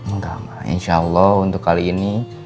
enggak insya allah untuk kali ini